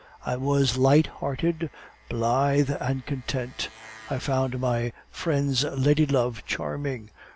I was light hearted, blithe, and content. I found my friend's lady love charming.